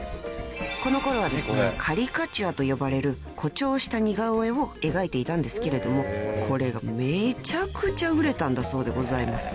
［このころはですねカリカチュアと呼ばれる誇張した似顔絵を描いていたんですけれどもこれがめちゃくちゃ売れたんだそうでございます］